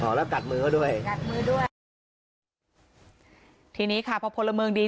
แล้วกัดมือเขาด้วยกัดมือด้วยทีนี้ค่ะพอพลเมืองดี